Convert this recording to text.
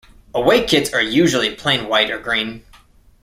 Away kits are usually plain white or green.